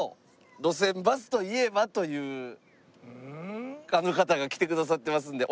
路線バスといえばというあの方が来てくださってますのでお呼びしていいですか？